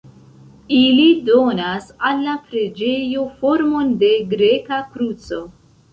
Ili donas al la preĝejo formon de greka kruco.